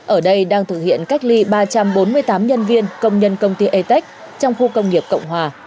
ở đây đang thực hiện cách ly ba trăm bốn mươi tám nhân viên công nhân công ty atec trong khu công nghiệp cộng hòa